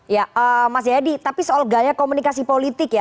ya mas jayadi tapi soal gaya komunikasi politik ya